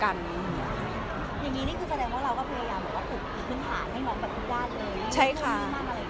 อย่างนี้นี่คือแสดงว่าเราก็พยายามแบบว่ากดกิจขึ้นหาดให้น้องกับทุกด้านเลย